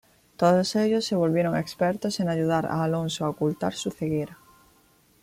Todos ellos se volvieron expertos en ayudar a Alonso a ocultar su ceguera.